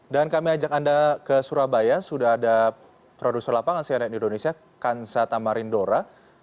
dan kami ajak anda ke surabaya sudah ada produser lapangan cnn indonesia kansa tamarindora